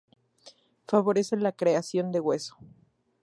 Favorece la creación de hueso.